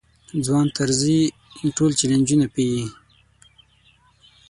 ځوان طرزی ټول چلنجونه پېيي.